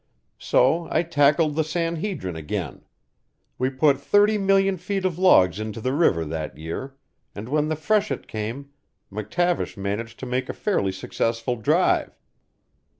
So I tackled the San Hedrin again. We put thirty million feet of logs into the river that year, and when the freshet came, McTavish managed to make a fairly successful drive.